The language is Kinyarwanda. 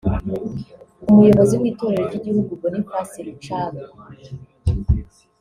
Umuyobozi w’Itorero ry’Igihugu Boniface Rucagu